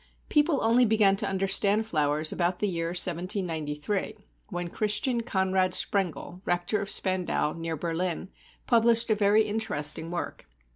People only began to understand flowers about the year 1793, when Christian Conrad Sprengel, Rector of Spandau, near Berlin, published a very interesting work.